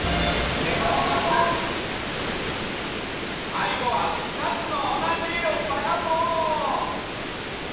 さいごはふたつのおなじえをさがそう！